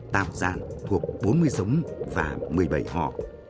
tám dạng thuộc bốn mươi giống và một mươi bảy họ